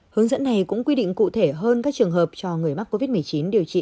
hướng dẫn này cũng quy định cụ thể hơn các trường hợp cho người mắc covid một mươi chín điều trị